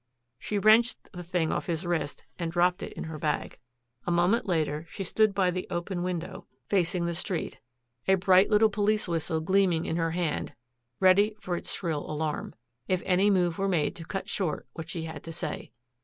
She wrenched the thing off his wrist and dropped it into her bag. A moment later she stood by the open window facing the street, a bright little police whistle gleaming in her hand, ready for its shrill alarm if any move were made to cut short what she had to say.